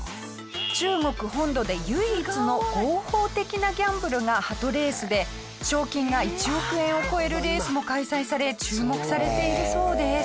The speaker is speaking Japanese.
中国本土で唯一の合法的なギャンブルが鳩レースで賞金が１億円を超えるレースも開催され注目されているそうです。